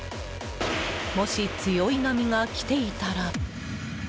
もし、強い波が来ていたら。